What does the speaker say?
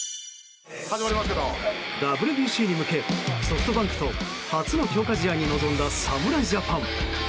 ＷＢＣに向けソフトバンクと初の強化試合に臨んだ侍ジャパン。